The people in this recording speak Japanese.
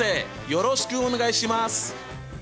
よろしくお願いします！